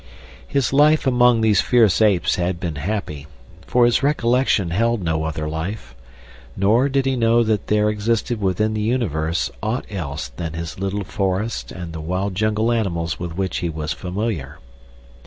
His life among these fierce apes had been happy; for his recollection held no other life, nor did he know that there existed within the universe aught else than his little forest and the wild jungle animals with which he was familiar.